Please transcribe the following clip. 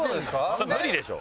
そりゃ無理でしょ。